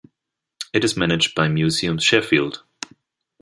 It is managed by Museums Sheffield.